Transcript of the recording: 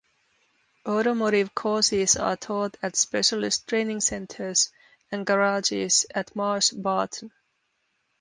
Automotive courses are taught at specialist training centres and garages at Marsh Barton.